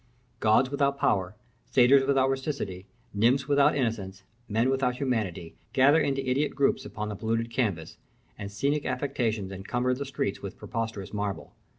Gods without power, satyrs without rusticity, nymphs without innocence, men without humanity, gather into idiot groups upon the polluted canvas, and scenic affectations encumber the streets with preposterous marble.